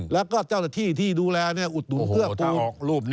แล้วก็เจ้าหน้าที่ที่ดูแลอุดดูดเพื่อกู